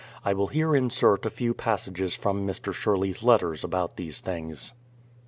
I will here insert a few passages from Mr. Sherley's letters about these things.